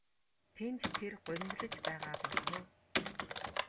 Тэнд тэр гуниглаж байгаа болов уу?